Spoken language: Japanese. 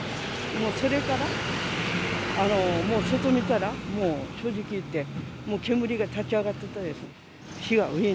もうそれから外見たら、もう正直言って、煙が立ち上がってたです。